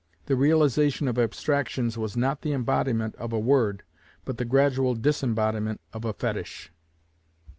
The realization of abstractions was not the embodiment of a word, but the gradual disembodiment of a Fetish.